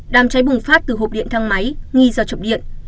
đám cháy bùng phát từ hộp điện thang máy nghi do chập điện